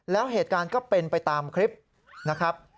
แล้วเหตุการณ์ก็เป็นไปตามคลิปนะครับ